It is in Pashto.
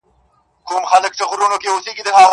o د هر تورى لړم سو ، شپه خوره سوه خدايه.